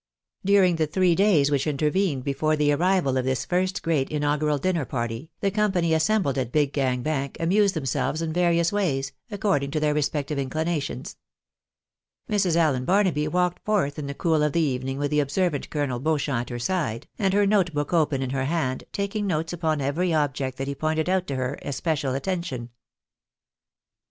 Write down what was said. During the three days which intervened before the arrival of this first great inaugural dinner party, the com pany assembled at Big Gang Bank amused themselves in various ways, according to their respective inclinations, Mrs. Allen Bar naby walked forth in the cool of the evening with the observant Colonel Beauchamp at her side, and her note book open in her hand, taking notes upon every object that he pointed out to her especial attention.